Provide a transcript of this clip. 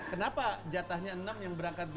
kenapa jatahnya enam yang berangkat